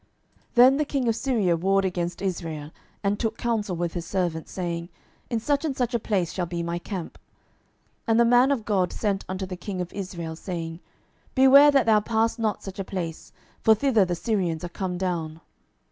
12:006:008 Then the king of Syria warred against Israel, and took counsel with his servants, saying, In such and such a place shall be my camp. 12:006:009 And the man of God sent unto the king of Israel, saying, Beware that thou pass not such a place; for thither the Syrians are come down.